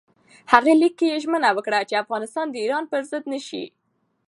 هغه لیک کې ژمنه وکړه چې افغانستان د ایران پر ضد نه شي.